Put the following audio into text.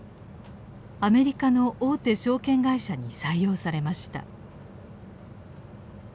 アメリカの大手証券会社に採用されました。